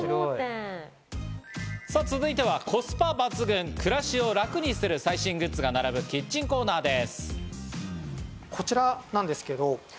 さあ、続いてはコスパ抜群、暮らしを楽にする最新グッズが並ぶキッチンコーナーです。